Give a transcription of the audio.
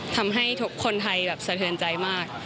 ทำให้ทุกคนไทยสะเทินใจมาก